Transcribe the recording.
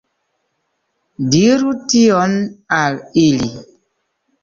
Diru tion al ili!